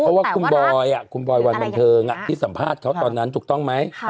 เพราะว่าคุณบอยคุณบอยวันบันเทิงที่สัมภาษณ์เขาตอนนั้นถูกต้องไหม